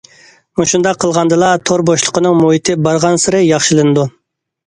مۇشۇنداق قىلغاندىلا، تور بوشلۇقىنىڭ مۇھىتى بارغانسېرى ياخشىلىنىدۇ.